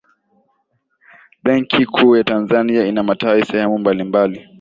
benki kuu ya tanzania ina matawi sehemu mbalimbali